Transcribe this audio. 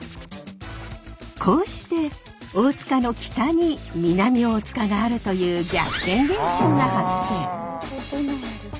こうして大塚の北に南大塚があるという逆転現象が発生。